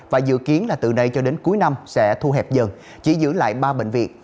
và dự kiến là từ đây cho đến cuối năm sẽ thu hẹp dần chỉ giữ lại ba bệnh viện